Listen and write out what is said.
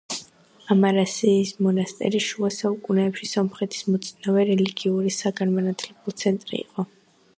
ამარასის მონასტერი შუა საუკუნეებში სომხეთის მოწინავე რელიგიური და საგანმანათლებლო ცენტრი იყო.